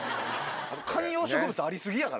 観葉植物あり過ぎやからな。